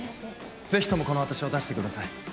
ぜひともこの私を出してください。